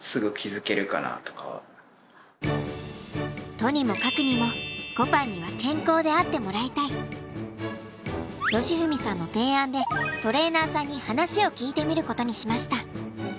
とにもかくにもこぱんには喜史さんの提案でトレーナーさんに話を聞いてみることにしました。